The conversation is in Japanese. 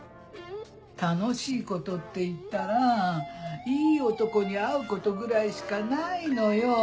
楽しいことっていったらいい男に会うことぐらいしかないのよ。